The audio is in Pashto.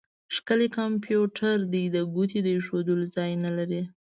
ښکلی کمپيوټر دی؛ د ګوتې د اېښول ځای نه لري.